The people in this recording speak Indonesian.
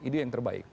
itu yang terbaik